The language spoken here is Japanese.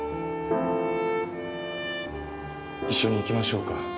一緒に行きましょうか？